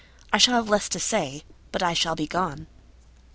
I shall have less to say, But I shall be gone.